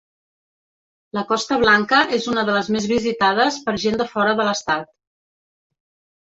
La Costa Blanca és una de les més visitades per gent de fora de l'estat.